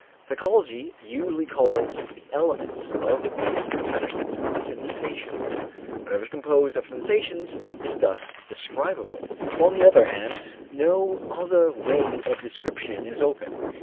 Psychology usually calls the elements of these perceptions sensations. Whatever is composed of sensations is thus describable. On the other hand, no other way of description is open.